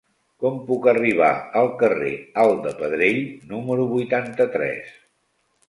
Com puc arribar al carrer Alt de Pedrell número vuitanta-tres?